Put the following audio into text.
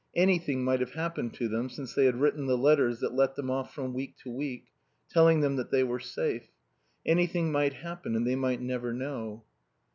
Anything might have happened to them since they had written the letters that let them off from week to week, telling them that they were safe. Anything might happen and they might never know.